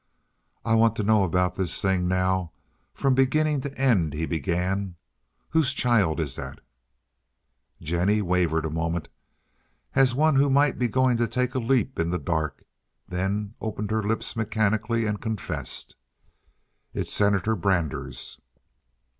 "I want to know about this thing now from beginning to end," he began. "Whose child is that?" Jennie wavered a moment, as one who might be going to take a leap in the dark, then opened her lips mechanically and confessed: "It's Senator Brander's."